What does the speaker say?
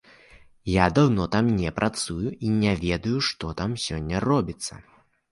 Я даўно там не працую і не ведаю, што там сёння робіцца.